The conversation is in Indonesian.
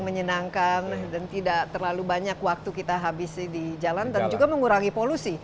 menyenangkan dan tidak terlalu banyak waktu kita habisi di jalan dan juga mengurangi polusi